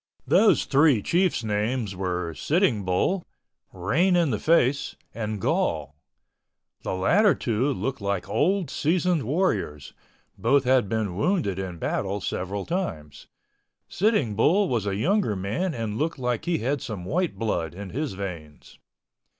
Those three chiefs' names were Sitting Bull, Rain in the Face, and Gall—the latter two looked like old seasoned warriors, both had been wounded in battle several times. Sitting Bull was a younger man and looked like he had some white blood in his veins.